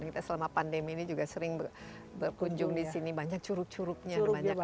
kita selama pandemi ini juga sering berkunjung di sini banyak curug curugnya banyak